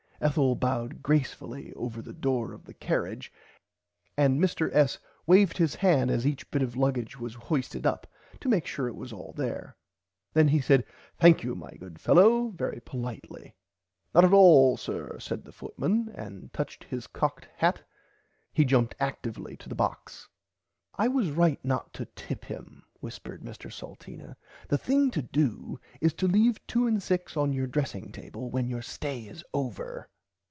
Ethel bowed gracefully over the door of the cariage and Mr S. waved his [Pg 31] hand as each bit of luggage was hoisted up to make sure it was all there. Then he said thankyou my good fellow very politely. Not at all sir said the footman and touching his cocked hat he jumped actively to the box. I was right not to tip him whispered Mr Salteena the thing to do is to leave 2/6 on your dressing table when your stay is over.